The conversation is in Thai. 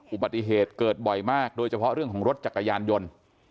อุบัติเหตุเกิดบ่อยมากโดยเฉพาะเรื่องของรถจักรยานยนต์